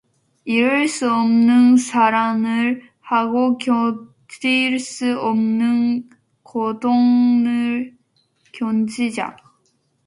이룰 수 없는 사랑을 하고 견딜 수 없는 고통을 견디자.